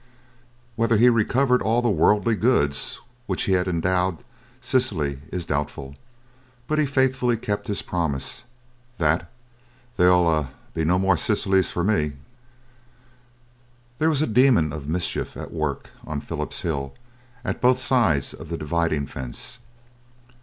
Whether he recovered all the worldly goods with which he had endowed Cecily is doubtful, but he faithfully kept his promise that "There 'ull be no more Cecilies for me." There was a demon of mischief at work on Philip's hill at both sides of the dividing fence.